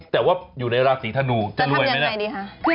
แต่ว่าอยู่ในราศีธนูจะรวยไหมค่ะจะทำยังไงดีคะ